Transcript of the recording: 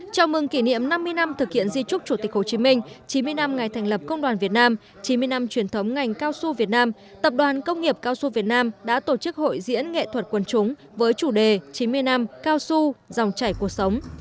chào mừng kỷ niệm năm mươi năm thực hiện di trúc chủ tịch hồ chí minh chín mươi năm ngày thành lập công đoàn việt nam chín mươi năm truyền thống ngành cao su việt nam tập đoàn công nghiệp cao su việt nam đã tổ chức hội diễn nghệ thuật quần chúng với chủ đề chín mươi năm cao su dòng chảy cuộc sống